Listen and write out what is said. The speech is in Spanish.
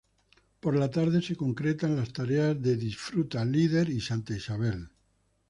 Por la tarde se concretan las tareas de Disfruta, Líder y Santa Isabel.